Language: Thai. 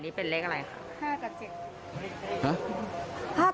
นี่เป็นเลขอะไรคะ